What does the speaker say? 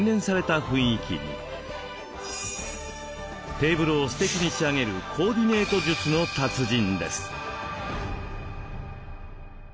テーブルをすてきに仕上げるコーディネート術の達人です。